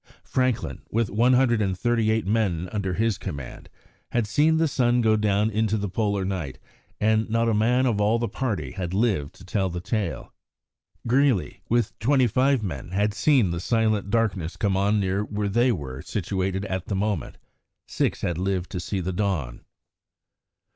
Franklin, with 138 men under his command, had seen the sun go down into the Polar night, and not a man of all the party had lived to tell the tale. Greely, with twenty five men, had seen the silent darkness come on near where they were situated at the moment six had lived to see the dawn.